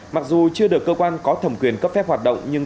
mặc dù chưa được cơ quan có thẩm quyền cấp phép hoạt động nhưng